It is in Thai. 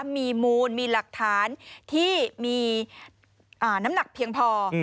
มีมูลมีหลักฐานที่มีน้ำหนักเพียงพอ